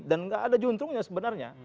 dan gak ada juntrungnya sebenarnya